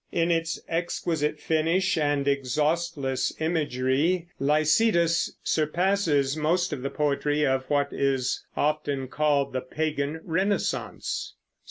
In its exquisite finish and exhaustless imagery "Lycidas" surpasses most of the poetry of what is often called the pagan Renaissance.